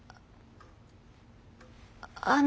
あの。